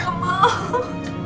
nggak aku nggak mau